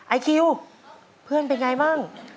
ไอคิวเพื่อนเป็นไงบ้าง